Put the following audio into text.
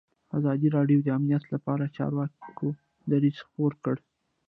ازادي راډیو د امنیت لپاره د چارواکو دریځ خپور کړی.